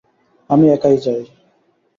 আমি একাই যাই।